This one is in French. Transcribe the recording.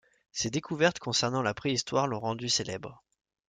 Ses découvertes concernant la Préhistoire l’ont rendu célèbre.